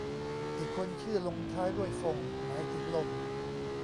อีกคนชื่อลงท้ายด้วยฟง หมายถึงลม